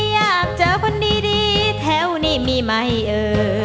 อยากเจอคนดีแถวนี้มีไหมเออ